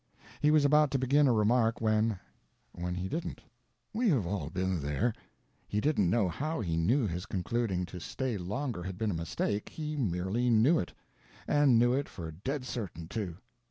He was about to begin a remark when—when he didn't. We have all been there. He didn't know how he knew his concluding to stay longer had been a mistake, he merely knew it; and knew it for dead certain, too.